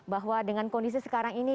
bahwa dengan kondisi sekarang ini